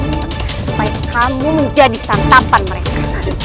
supaya kamu menjadi santapan mereka